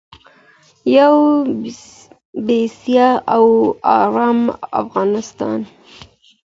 یو بسیا او ارام افغانستان.